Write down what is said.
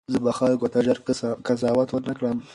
زه به خلکو ته ژر قضاوت ونه کړم.